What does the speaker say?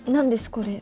これ。